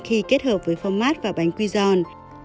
khi kết hợp với phong mát và bánh quy giòn